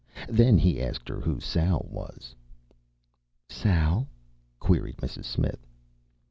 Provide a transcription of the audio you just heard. Then he asked her who Sal was. "Sal?" queried Mrs. Smith.